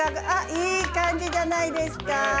あっいい感じじゃないですか。